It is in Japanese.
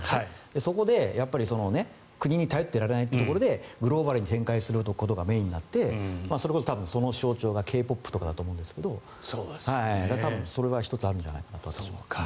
そこで国に頼っていられないということでグローバルに展開することがメインになってそれこそ、その象徴がＫ−ＰＯＰだと思いますがそれは１つあるんじゃないかと私も思います。